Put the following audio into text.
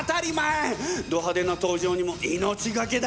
ドハデな登場にも命懸けだ！